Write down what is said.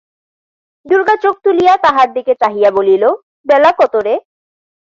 দুর্গা চোখ তুলিয়া তাহার দিকে চাহিয়া বলিল, বেলা কত রে?